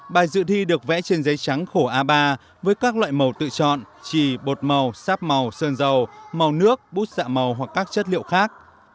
bài dự thi được vẽ trên giấy trắng khổ a ba với các loại màu tự chọn trì bột màu sáp màu sơn dầu màu nước bút dạ màu hoặc các chất liệu khác